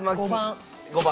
５番。